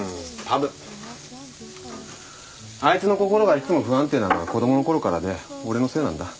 あいつの心がいつも不安定なのは子供のころからで俺のせいなんだ。